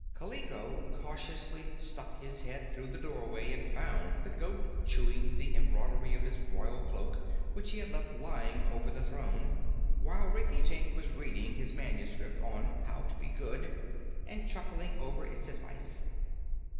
Kaliko cautiously stuck his head through the doorway and found the goat chewing the embroidery of his royal cloak, which he had left lying over the throne, while Rinkitink was reading his manuscript on "How to be Good" and chuckling over its advice.